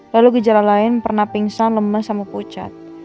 lalu gejala lain pernah pingsan lemah sama pucat